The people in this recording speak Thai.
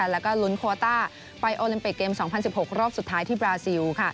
และรุนควอต้าไปโอลิมเปคเกม๒๐๑๖รอบสุดท้ายที่บราซิล